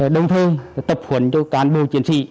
đồng thời tập huấn cho cán bộ chiến sĩ